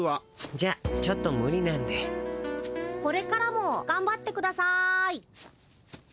じゃちょっとムリなんで。これからもがんばってください。